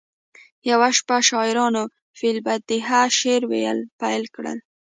یوه شپه شاعرانو فی البدیهه شعر ویل پیل کړل